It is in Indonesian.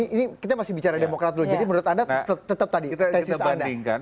ini kita masih bicara demokrat dulu jadi menurut anda tetap tadi tesis anda